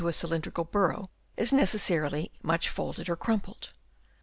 a cylindrical burrow is necessarily much folded or crumpled.